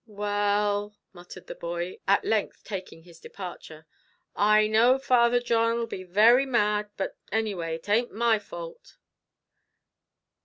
"Well," muttered the boy, at length taking his departure, "I know Father John 'll be very mad, but any way it ain't my fault."